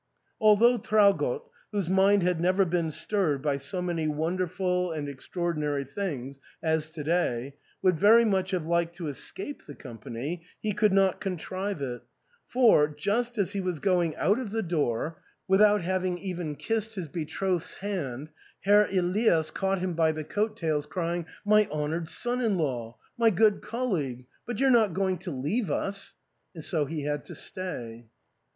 Although Traugott, whose mind had never been stirred by so many won derful and extraordinary things as to day, would very much have liked to escape the company, he could not contrive it ; for, just as he was going out of the door, 33© ARTHUR'S HALL. without having even kissed his betrothed's band^ Herr Elias caught him by the coat tails, crying, " My hon oured son in law, my good colleague, but you're not going to leave us ?" And so he had to stay.